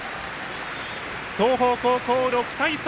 東邦高校、６対３。